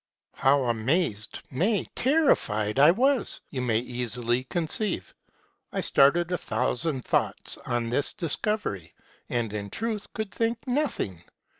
" How amazed, nay, terrified, I was, you may easily con ceive. I started a thousand thoughts on this discovery, and yet in truth could think nothing.